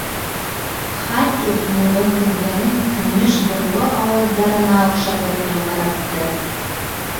Хати һуңғы һүҙҙәрен көмөш борғо ауаздарына оҡшатып яңғыратты.